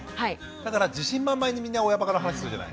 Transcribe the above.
だから自信満々にみんな親バカの話するじゃない？